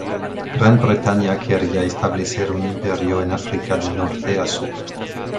Gran Bretaña quería establecer un imperio en África de norte a sur.